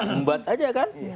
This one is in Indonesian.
membuat aja kan